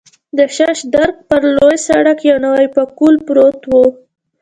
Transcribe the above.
د شش درک پر لوی سړک یو نوی پکول پروت و.